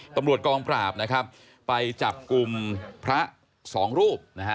ตำรวจกองปราบนะครับไปจับกลุ่มพระสองรูปนะฮะ